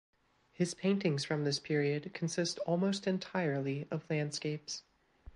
His paintings from this period consist almost entirely of landscapes.